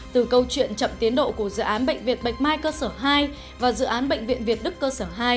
từ câu chuyện chậm tiến độ của dự án bệnh viện bạch mai cơ sở hai và dự án bệnh viện việt đức cơ sở hai